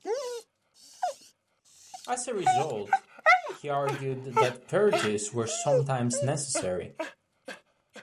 As a result, he argued that purges were sometimes necessary.